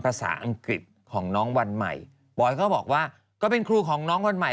ภาษาอังกฤษของน้องวันใหม่บอยก็บอกว่าก็เป็นครูของน้องวันใหม่